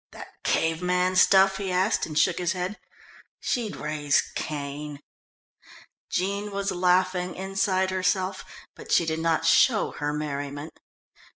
"That cave man stuff?" he asked, and shook his head. "She'd raise Cain." Jean was laughing inside herself, but she did not show her merriment.